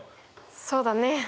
そうだね。